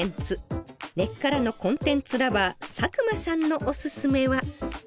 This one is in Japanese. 根っからのコンテンツ・ラヴァー佐久間さんのオススメは？